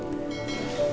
kasih kotak kok